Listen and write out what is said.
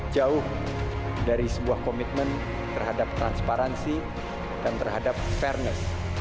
jauh dari sebuah komitmen terhadap transparansi dan terhadap fairness